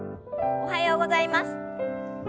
おはようございます。